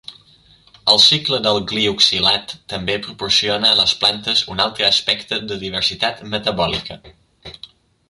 El cicle del glioxilat també proporciona a les plantes un altre aspecte de diversitat metabòlica.